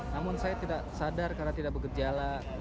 namun saya tidak sadar karena tidak bergejala